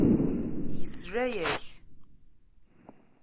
Yesla-ak.